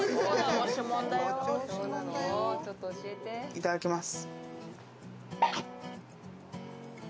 いただきます。